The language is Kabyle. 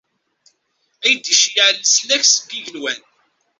Ad iyi-d-iceyyeɛ leslak seg yigenwan.